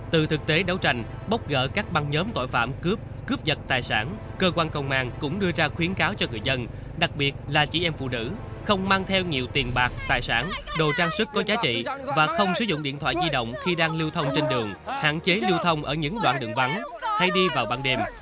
từ thực tế đấu tranh bóc gỡ các băng nhóm tội phạm cướp cướp giật tài sản cơ quan công an cũng đưa ra khuyến cáo cho người dân đặc biệt là chị em phụ nữ không mang theo nhiều tiền bạc tài sản đồ trang sức có giá trị và không sử dụng điện thoại di động khi đang lưu thông trên đường hạn chế lưu thông ở những đoạn đường vắng hay đi vào ban đêm